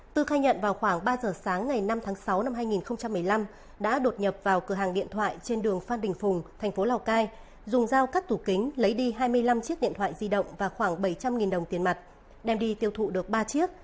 tư khai nhận vào khoảng ba giờ sáng ngày năm tháng sáu năm hai nghìn một mươi năm đã đột nhập vào cửa hàng điện thoại trên đường phan đình phùng thành phố lào cai dùng dao cắt tủ kính lấy đi hai mươi năm chiếc điện thoại di động và khoảng bảy trăm linh đồng tiền mặt đem đi tiêu thụ được ba chiếc